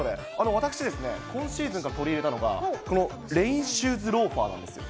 私ですね、今シーズンから取り入れたのが、このレインシューズローファーなんですよ。